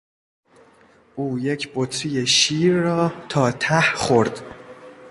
او یک بطری شیر را تا ته خورد!